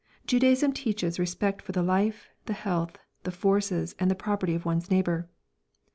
"Judaism teaches respect for the life, the health, the forces and the property of one's neighbour."